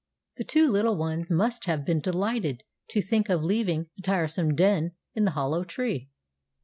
The two little ones must have been delighted to think of leaving the tiresome den in the hollow tree.